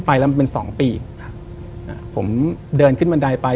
ผมเดินขึ้นบันไดไป